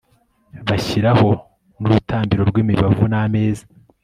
bashyiraho n'urutambiro rw'imibavu n'ameza